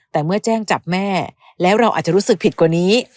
แต่เมื่อแจ้งจับแม่แล้วเราอาจจะรู้สึกผิดกว่านี้